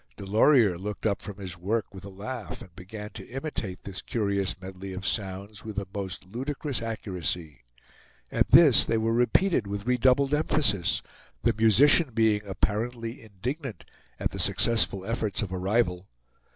Delorier looked up from his work with a laugh, and began to imitate this curious medley of sounds with a most ludicrous accuracy. At this they were repeated with redoubled emphasis, the musician being apparently indignant at the successful efforts of a rival.